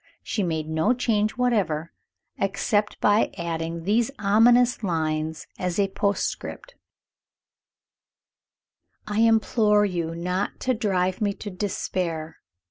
She made no change whatever, except by adding these ominous lines as a postscript: "I implore you not to drive me to despair.